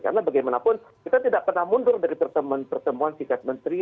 karena bagaimanapun kita tidak pernah mundur dari pertemuan pertemuan sikat menteri